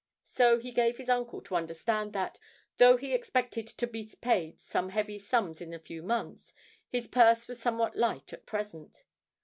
So he gave his uncle to understand that, though he expected to be paid some heavy sums in a few months, his purse was somewhat light at present.